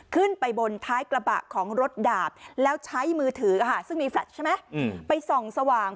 ขึ้นไปบนท้ายกระบะของรถดาบแล้วใช้มือถือซึ่งมีแฟลตใช่ไหมไปส่องสว่าง